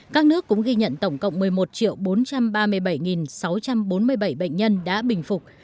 các nước cũng ghi nhận tổng cộng một mươi một bốn trăm ba mươi bảy sáu trăm bốn mươi bảy bệnh nhân đã bình phục